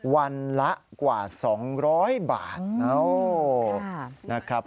วันละกว่า๒๐๐บาทนะครับ